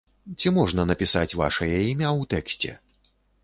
Ці можна напісаць вашае імя ў тэксце?